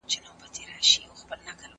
د بې وزلو د ستونزو حل کول عبادت دی.